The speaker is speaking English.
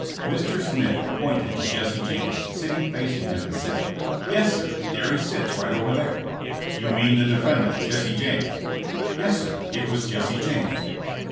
Mr. Smith pointed to Jesse James, sitting fac ing him and said : *'Yes, sir; there he sits right over there," You mean the defendant, Jesse James?"* Yes, sir; it was Jesse James."